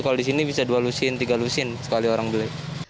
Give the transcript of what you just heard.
kalau di sini bisa dua lusin tiga lusin sekali orang beli